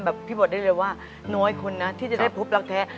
พี่บอกได้เลยว่าน้อยคุณนะที่จะได้พบรักแท้